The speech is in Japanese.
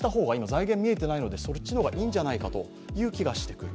財源が見えていないので、そっちの方がいいんじゃないかという気がしてくる。